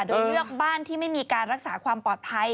โดยเลือกบ้านที่ไม่มีการรักษาความปลอดภัย